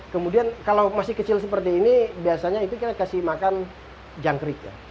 kemudian kalau masih kecil seperti ini biasanya itu kita kasih makan jangkrik ya